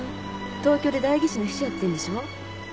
東京で代議士の秘書やってんでしょ？